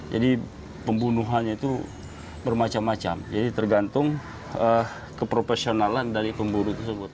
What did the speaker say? jadi pembunuhannya itu bermacam macam jadi tergantung keprofesionalan dari pemburu tersebut